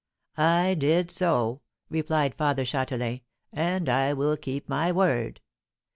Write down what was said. "I did so," replied Father Châtelain, "and I will keep my word.